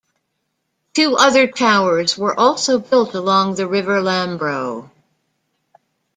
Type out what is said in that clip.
Two other towers were also built along the River Lambro.